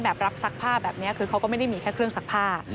รับซักผ้าแบบนี้คือเขาก็ไม่ได้มีแค่เครื่องซักผ้า